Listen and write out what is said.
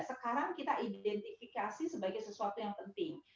sekarang kita identifikasi sebagai sesuatu yang penting